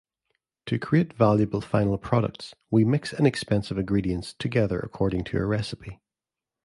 To create valuable final products, we mix inexpensive ingredients together according to a recipe.